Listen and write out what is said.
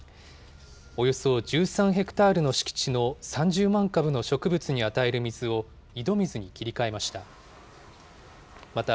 およそ１３ヘクタールの敷地の３０万株の植物に与える水を、井戸水に切り替えました。